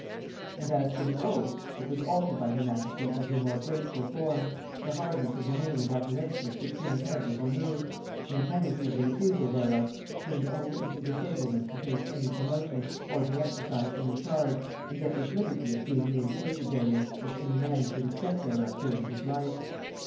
And as for the oath, it was altered by her majesty into a more grateful form; the hardness of the name and appellation of supreme head was removed; and the penalty of the refusal thereof turned only into disablement to take any promotion, or to exercise any charge, and yet with liberty of being reinvested therein if any man should accept thereof during his life.